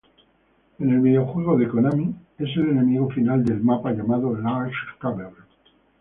En el videojuego de Konami, es el enemigo final del mapa llamado "Large Cavern".